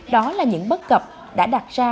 đó là những bất cập đã đặt ra